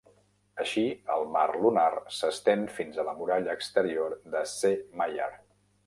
Així, el mar lunar s'estén fins a la muralla exterior de C. Mayer.